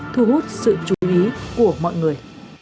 thu hút sự chú ý của mọi người